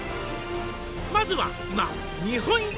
「まずは今」